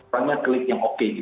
pertama klik yang oke gitu